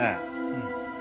うん。